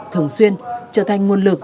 thường xuyên trở thành nguồn lực